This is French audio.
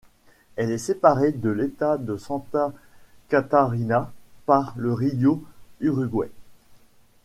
Elle est séparée de l'État de Santa Catarina par le rio Uruguai.